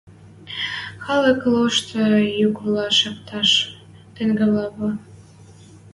Халык лошты юквлӓ шакташ тӹнгӓлевӹ: